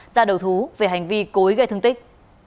ra đầu thú về hành vi cối gây thương tích